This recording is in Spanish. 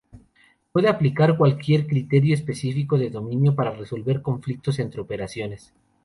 Se puede aplicar cualquier criterio específico de dominio para resolver conflictos entre operaciones.